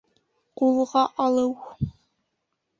Ҡулға алыу